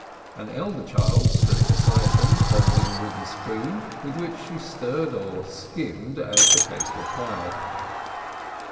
An elder child stood beside them holding a wooden spoon, with which she stirred or skimmed as the case required.